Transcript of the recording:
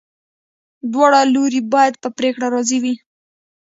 دواړه لوري باید په پریکړه راضي وي.